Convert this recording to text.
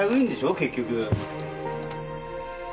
結局。